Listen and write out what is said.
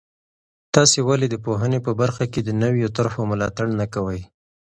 تاسې ولې د پوهنې په برخه کې د نویو طرحو ملاتړ نه کوئ؟